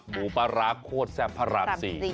หมูปลาร้าโคตรแซ่บพราบสี่